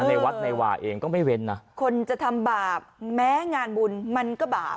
ในวัดในวาเองก็ไม่เว้นนะคนจะทำบาปแม้งานบุญมันก็บาป